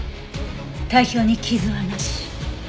体表に傷はなし。